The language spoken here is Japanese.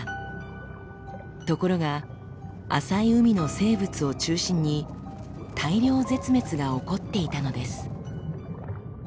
ところが浅い海の生物を中心に大量絶滅が起こっていたのです。